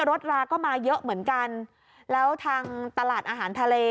ราก็มาเยอะเหมือนกันแล้วทางตลาดอาหารทะเล